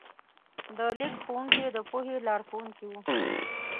د لیک ښوونکي د پوهې لارښوونکي وو.